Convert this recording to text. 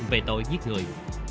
về tội giết người